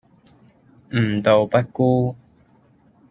吾道不孤